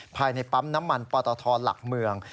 ภายในปั๊มน้ำมันปตทหลักเมือง